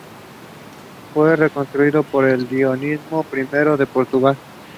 This is also the first Despite album to be released through Eclipse Records.